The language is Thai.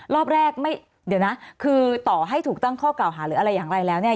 รอบแรกไม่เดี๋ยวนะคือต่อให้ถูกตั้งข้อกล่าวหาหรืออะไรอย่างไรแล้วเนี่ย